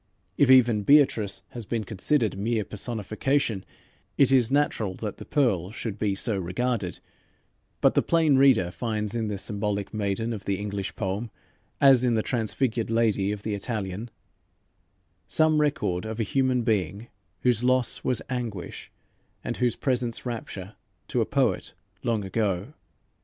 " If even Beatrice has been considered mere personification, it is natural that the Pearl should be so regarded, but the plain reader finds in the symbolic maiden of the English poem, as in the transfigured lady of the Italian, some record of a human being whose loss was anguish, and whose presence rapture, to a poet long ago.